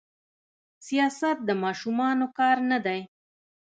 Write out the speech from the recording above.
سياست د ماشومانو کار نه دي.